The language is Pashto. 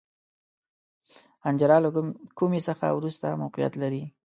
حنجره له کومي څخه وروسته موقعیت لري.